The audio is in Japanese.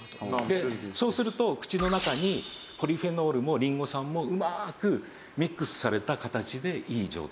そうすると口の中にポリフェノールもリンゴ酸もうまーくミックスされた形でいい状態ができてる。